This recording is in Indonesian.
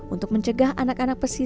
untuk mencegah anak anak yang berpengalaman